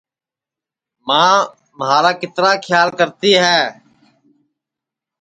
ماں مھارا کِترا کھیال کرتی ہے